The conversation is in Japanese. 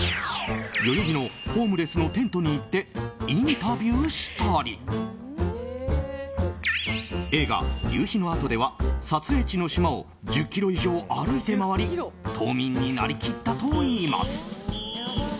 代々木のホームレスのテントに行ってインタビューしたり映画「夕陽のあと」では撮影地の島を１０ｋｍ以上歩いて回り島民になり切ったといいます。